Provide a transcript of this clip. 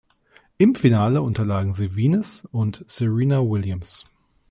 Im Finale unterlagen sie Venus und Serena Williams.